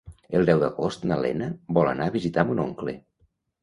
El deu d'agost na Lena vol anar a visitar mon oncle.